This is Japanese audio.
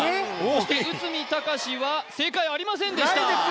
そして内海崇は正解ありませんでしたないです